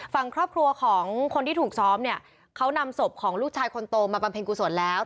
ฝั่งครอบครัวของคนที่ถูกซ้อมเนี่ยเขานำศพของลูกชายคนโตมาบำเพ็ญกุศลแล้ว